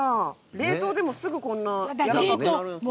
冷凍でも、すぐこんなにやわらかくなるんですね。